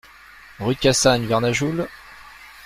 Rue de Cassagne, Vernajoul